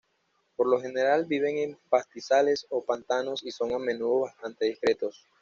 Por lo general viven en pastizales o pantanos y son a menudo bastante discretos.